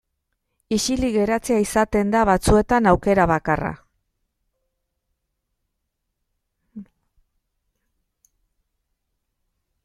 Isilik geratzea izaten da batzuetan aukera bakarra.